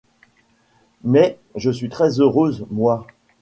Mais je suis très heureuse, moi !